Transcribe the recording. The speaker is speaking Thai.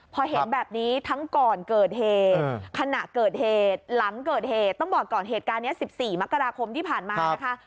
พอเห็นแบบนี้ทั้งก่อนเกิดเหตุขณะเกิดเหตุหลังเกิดเหตุต้องบอกก่อนเหตุการณ์นี้๑๔มกราคมที่ผ่านมานะคะ